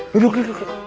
duduk duduk duduk